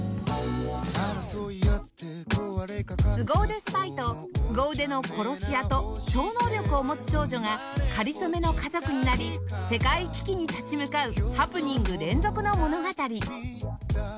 凄腕スパイと凄腕の殺し屋と超能力を持つ少女が仮初めの家族になり世界危機に立ち向かうハプニング連続の物語